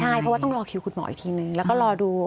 ใช่เพราะต้องรอคิวคุณหมออีกทีหนึ่ง